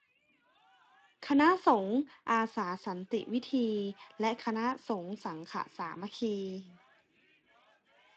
คณะสงฆ์อาสาสันติวืธี และ คณะสงฆ์สังฆะสามัคคี